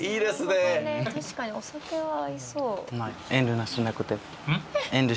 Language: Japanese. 確かにお酒は合いそう。